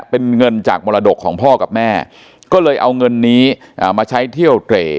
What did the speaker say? เป็นเงินจากมรดกของพ่อกับแม่ก็เลยเอาเงินนี้มาใช้เที่ยวเตร่